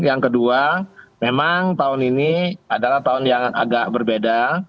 yang kedua memang tahun ini adalah tahun yang agak berbeda